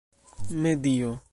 medio